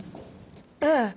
ええ。